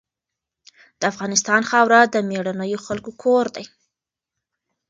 د افغانستان خاوره د مېړنیو خلکو کور دی.